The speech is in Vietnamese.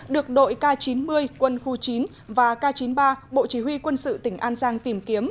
được đội k chín mươi quân khu chín và k chín mươi ba bộ chỉ huy quân sự tỉnh an giang tìm kiếm